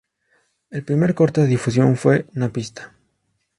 El primer corte de difusión fue "Na pista".